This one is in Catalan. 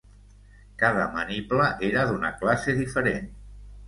Cada maniple era d'una classe diferent.